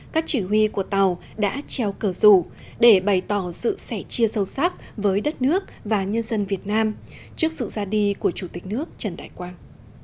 các chỉ huy của tàu đã treo cờ rủ để bày tỏ sự sẻ chia sâu sắc với đất nước và nhân dân việt nam trước sự ra đi của chủ tịch nước trần đại quang